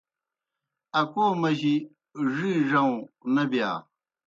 اکو مجی ڙِی ڙَؤں نہ بِیا۔